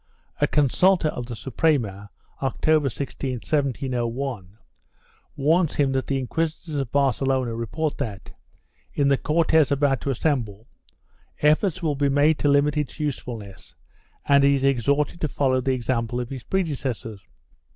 A consulta of the Suprema, October 16, 1701, warns him that the inquisitors of Barcelona report that, in the Cortes about to assemble, efforts will be made to limit its usefulness and he is exhorted to follow the example of his predecessors.